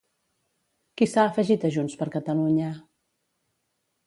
Qui s'ha afegit a Junts per Catalunya?